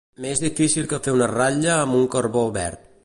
Més difícil que fer una ratlla amb un carbó verd.